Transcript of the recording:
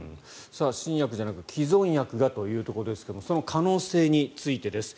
新薬じゃなく既存薬だということですがその可能性についてです。